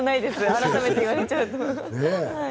改めて言われちゃうと。